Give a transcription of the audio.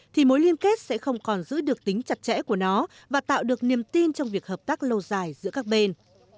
thì mối liên kết sẽ không còn giữ được tính chặt chẽ của nó và tạo được niềm tin trong việc hợp tác lâu dài giữa các bên